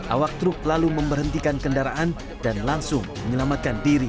awak truk lalu memberhentikan kendaraan dan langsung menyelamatkan diri